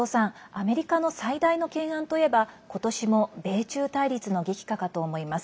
アメリカの最大の懸案といえば今年も米中対立の激化かと思います。